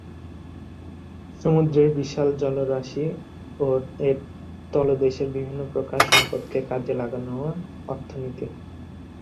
সমুদ্রের বিশাল জলরাশি ও এর তলদেশের বিভিন্ন প্রকার সম্পদকে কাজে লাগানোর অর্থনীতি।